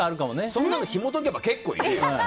そんなのひも解けば結構いるよ。